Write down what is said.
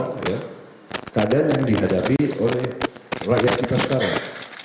keadaan yang dihadapi oleh rakyat kita sekarang